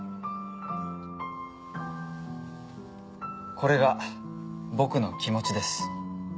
これが僕の気持ちです